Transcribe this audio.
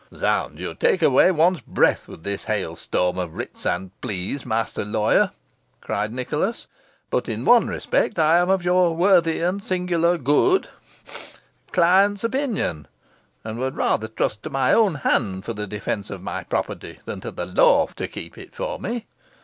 "Zounds! you take away one's breath with this hail storm of writs and pleas, master lawyer!" cried Nicholas. "But in one respect I am of your 'worthy and singular good' client's, opinion, and would rather trust to my own hand for the defence of my property than to the law to keep it for me."